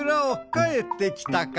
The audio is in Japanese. かえってきたか。